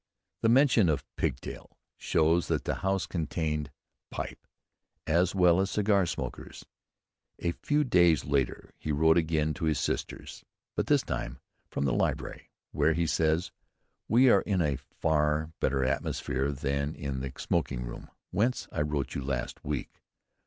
"_ The mention of pigtail shows that the House contained pipe as well as cigar smokers. A few days later he wrote again to his sisters, but this time from the library, where, he says, "we are in a far better atmosphere than in the smoking room, whence I wrote to you last week."